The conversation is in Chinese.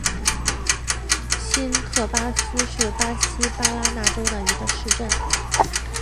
新特巴斯是巴西巴拉那州的一个市镇。